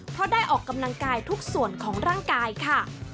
เพราะได้ออกกำลังกายทุกส่วนของร่างกายค่ะ